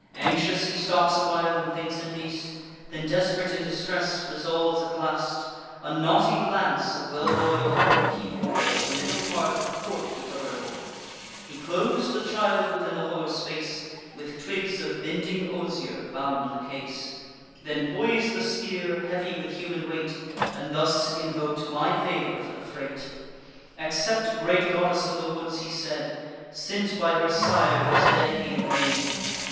Anxious, he stops a while, and thinks in haste; Then, desp'rate in distress, resolves at last. A knotty lance of well boil'd oak he bore; The middle part with cork he cover'd o'er: He clos'd the child within the hollow space; With twigs of bending osier bound the case; Then pois'd the spear, heavy with human weight, And thus invok'd my favour for the freight: 'Accept, great goddess of the woods,' he said, 'Sent by her sire, this dedicated maid!